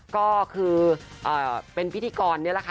ก็คือเป็นพิธีกรนี่แหละค่ะ